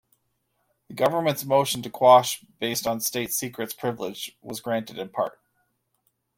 The government's motion to quash based on state secrets privilege was granted in part.